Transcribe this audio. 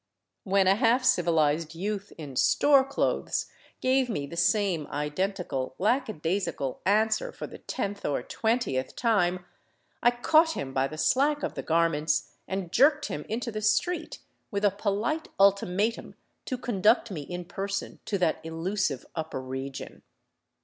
When a half civilized youth in " store " clothes gave me the same identical, lackadaisical answer for the tenth or twentieth time, I caught him by the slack of the garments and jerked him into the street, with a polite ultimatum to conduct me in person to that elusive upper region.